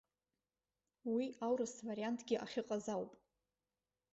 Уи аурыс вариантгьы ахьыҟаз ауп.